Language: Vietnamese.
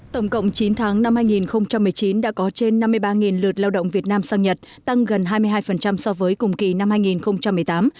tổng cộng chín tháng năm hai nghìn một mươi chín đã có trên năm mươi ba lượt lao động việt nam sang nhật tăng gần hai mươi hai so với cùng kỳ năm hai nghìn một mươi tám